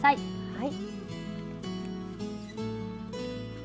はい。